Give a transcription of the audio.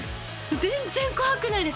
全然怖くないです。